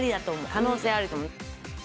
可能性あると思う。